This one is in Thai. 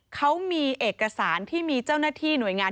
เขามีเอกสารที่มีเจ้าหน้าที่หน่วยงาน